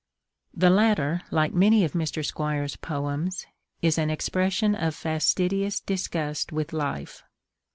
_ The latter, like many of Mr. Squire's poems, is an expression of fastidious disgust with life.